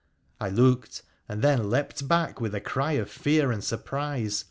I looked, and then leapt back with a cry of fear and surprise.